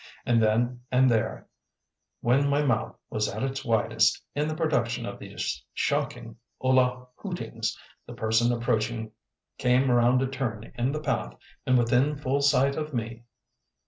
And then and there, when my mouth was at its widest in the production of these shocking ulla hootings, the person approaching came round a turn in the path, and within full sight of me.